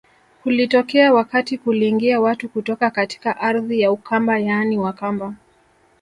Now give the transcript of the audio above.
Kulitokea wakati kuliingia watu kutoka katika ardhi ya Ukamba yaani Wakamba